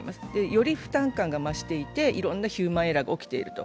より負担感が増していて、いろんなヒューマンエラーが起きていると。